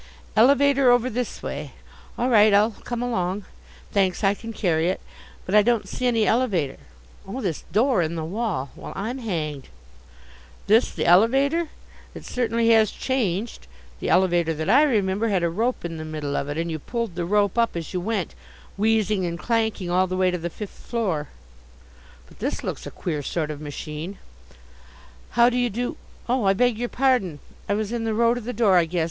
Elevator over this way? All right, I'll come along. Thanks, I can carry it. But I don't see any elevator? Oh, this door in the wall? Well! I'm hanged. This the elevator! It certainly has changed. The elevator that I remember had a rope in the middle of it, and you pulled the rope up as you went, wheezing and clanking all the way to the fifth floor. But this looks a queer sort of machine. How do you do Oh, I beg your pardon. I was in the road of the door, I guess.